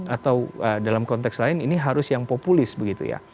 atau dalam konteks lain ini harus yang populis begitu ya